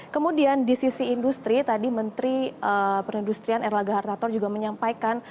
kemudian di sisi industri tadi menteri perindustrian erlangga hartator juga menyampaikan